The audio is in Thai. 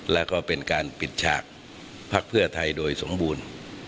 แล้วก็เป็นการปิดฉากพักเพื่อไทยโดยสมบูรณ์